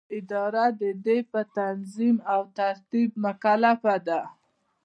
اداره د دې په تنظیم او ترتیب مکلفه ده.